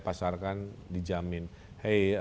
pasarkan dijamin hei